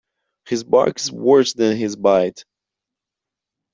His bark is worse than his bite.